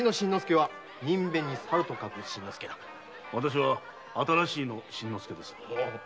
わたしは“新しい”の新之助です。